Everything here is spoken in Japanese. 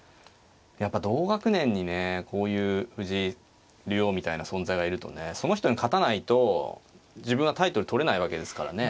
やっぱ同学年にねこういう藤井竜王みたいな存在がいるとねその人に勝たないと自分はタイトル取れないわけですからね。